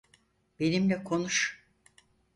Benimle konuş.